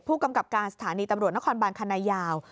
ผู้กำกับการสถานีตำรวจนครบานคณะยาว